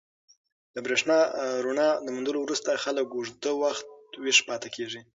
د برېښنا د رڼا موندلو وروسته خلک اوږده وخت ویښ پاتې کېږي.